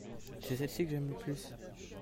c'est celle-ci que j'aime le plus.